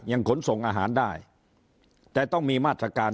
ขนส่งอาหารได้แต่ต้องมีมาตรการ